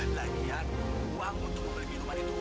lagi aku uang untuk pergi rumah itu